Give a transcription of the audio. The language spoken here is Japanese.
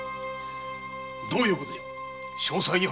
どういうことじゃ？